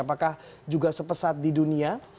apakah juga sepesat di dunia